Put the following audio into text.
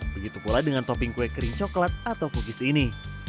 begitu pula dengan topping kue kering coklat atau cookies ini